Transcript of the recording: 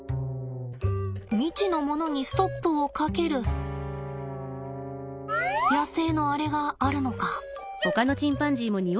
未知のものにストップをかける野生のアレがあるのか。